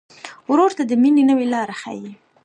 ورور ته د مینې نوې لاره ښيي.